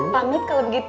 pamit kalau begitu